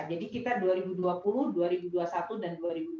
jadi kita dua ribu dua puluh dua ribu dua puluh satu dan dua ribu dua puluh dua